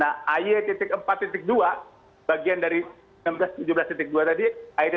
nah ay empat dua bagian dari enam belas tujuh belas dua tadi ay empat dua itu